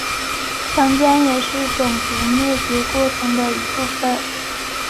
强奸也是种族灭绝过程的一部分。